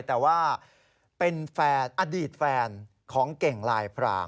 แต่ว่าเป็นแฟนอดีตแฟนของเก่งลายพราง